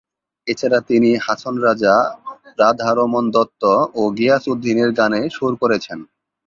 এছাড়া তিনি হাছন রাজা, রাধারমণ দত্ত, ও গিয়াস উদ্দিনের গানে সুর করেছেন।